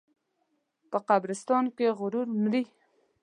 په قبرستان کې غرور مري.